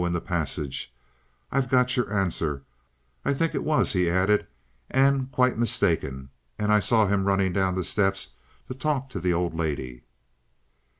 in the passage. "I've got your answer," I think it was he added, and "quite mistaken;" and I saw him running down the steps to talk to the old lady.